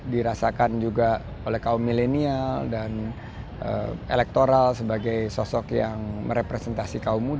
dirasakan juga oleh kaum milenial dan elektoral sebagai sosok yang merepresentasi kaum muda